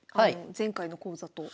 前回の講座と。